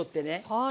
はい。